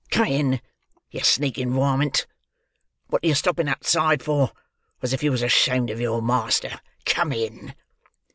Come in, you sneaking warmint; wot are you stopping outside for, as if you was ashamed of your master! Come in!"